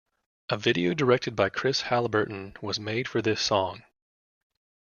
A video directed by Chris Halliburton was made for this song.